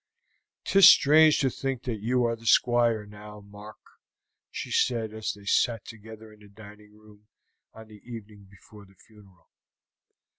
"'Tis strange to think that you are the Squire now, Mark," she said as they sat together in the dining room on the evening before the funeral.